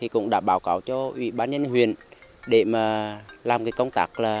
cũng đã báo cáo cho ủy ban nhân huyện để làm công tác có sự truyền hình